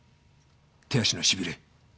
手足のしびれ。